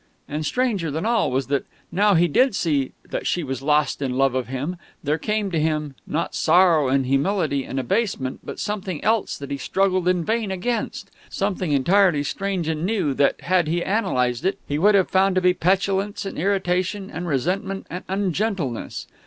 And stranger than all was that, now that he did see that she was lost in love of him, there came to him, not sorrow and humility and abasement, but something else that he struggled in vain against something entirely strange and new, that, had he analysed it, he would have found to be petulance and irritation and resentment and ungentleness.